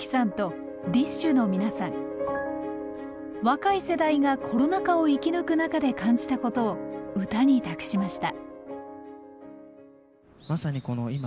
若い世代がコロナ禍を生き抜く中で感じたことを歌に託しました